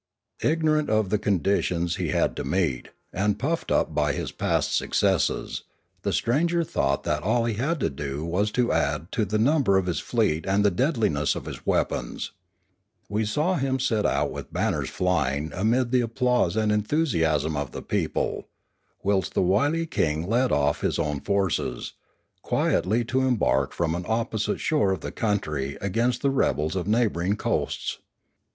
Ignorant of the conditions he had to meet, and puffed up by his past successes, the stranger thought that all he had to do was to add to the number of his fleet and the deadliness of his weapons. We saw him set out with banners flying amid the applause and enthusiasm of the people, whilst the wily king led off his own forces, quietly to embark from an opposite shore of the country against the rebels of neighbouring coasts.